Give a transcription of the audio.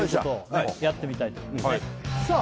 やってみたいと思いますねさあ